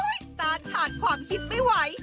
อุ๊ยตาถาดความฮิตไม่ไหว